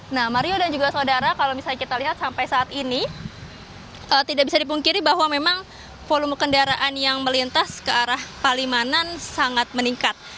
nah mario dan juga saudara kalau misalnya kita lihat sampai saat ini tidak bisa dipungkiri bahwa memang volume kendaraan yang melintas ke arah palimanan sangat meningkat